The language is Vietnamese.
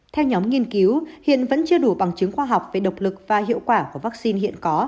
theo nhóm nghiên cứu hiện vẫn chưa đủ bằng chứng khoa học về độc lực và hiệu quả của vaccine hiện có